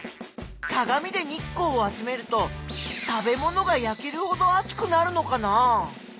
かがみで日光を集めると食べ物がやけるほどあつくなるのかな？